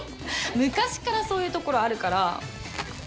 昔っからそういうところあるから。